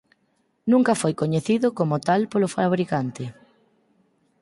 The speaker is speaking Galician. Nunca foi coñecido como tal polo fábricante.